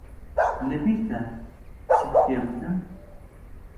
لەبیرتە چیت پێ گوتم؟